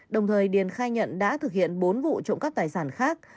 đồng thời điền khai nhận đã thực hiện bốn vụ trộm cắp tài sản khác